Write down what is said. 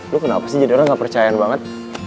lo kenapa sih jadi orang gak percayaan banget